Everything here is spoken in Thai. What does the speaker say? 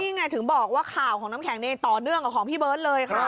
นี่ไงถึงบอกว่าข่าวของน้ำแข็งนี่ต่อเนื่องกับของพี่เบิร์ตเลยค่ะ